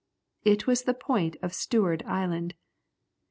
It was the point of Steward Island.